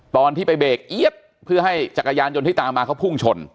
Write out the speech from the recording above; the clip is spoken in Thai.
ตอนที่ไปเบรกเอี๊ยดเพื่อให้จักรยานยนต์ที่ตามมาเขาพุ่งชน